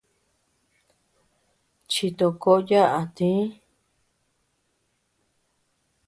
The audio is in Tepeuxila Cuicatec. Chitokoʼo yaʼa tï.